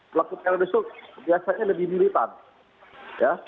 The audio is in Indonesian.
pelaku teroris itu biasanya lebih militan ya